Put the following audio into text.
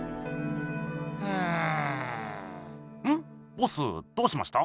ボスどうしました？